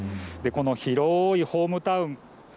この広いホームタウン。